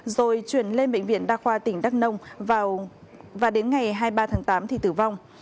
rồi chuyển lên bệnh viện đa khoa tỉnh đắk nông và đến ngày hai mươi ba tháng tám thì tử vong